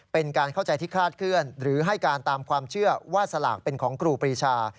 เป็นการเข้าใจที่คลาดเคลื่อนหรือให้การตามความเชื่อว่าสลากเป็นของครูปรีชา